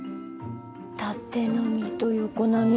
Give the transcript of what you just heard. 縦波と横波。